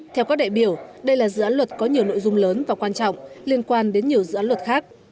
theo các đại biểu đây là dự án luật có nhiều nội dung lớn và quan trọng liên quan đến nhiều dự án luật khác